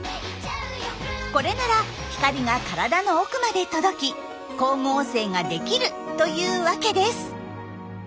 これなら光が体の奥まで届き光合成ができるというわけです。